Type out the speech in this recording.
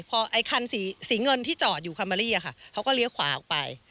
พอไอ้คันสีเงินที่จอดอยู่คัมเมอรี่เขาก็เลี้ยวขวาออกไป